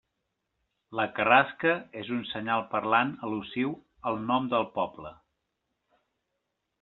La carrasca és un senyal parlant al·lusiu al nom del poble.